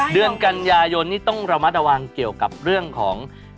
เดือนกันยายนนี่ต้องระมัดระวังเกี่ยวกับเรื่องของ